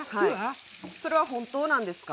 それは、本当なんですか？